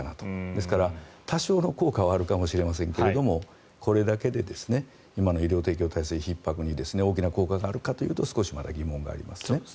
ですから、多少の効果はあるかもしれませんがこれだけで今の医療提供体制ひっ迫に大きな効果があるかというと少しまだ疑問があります。